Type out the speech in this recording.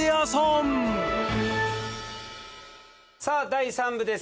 さあ第３部です。